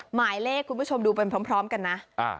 หมายเลขคุณผู้ชมดูไปพร้อมกันนะ